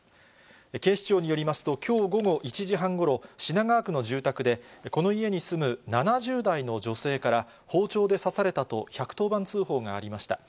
警視庁によりますと、きょう午後１時半ごろ、品川区の住宅で、この家に住む７０代の女性から、包丁で刺されたと１１０番通報がありました。